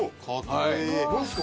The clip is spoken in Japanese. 何ですか？